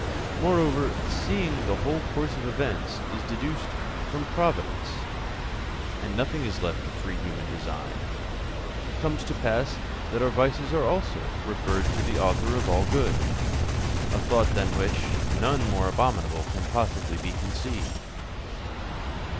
Moreover, seeing that the whole course of events is deduced from providence, and nothing is left free to human design, it comes to pass that our vices also are referred to the Author of all good a thought than which none more abominable can possibly be conceived.